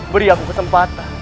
beri aku kesempatan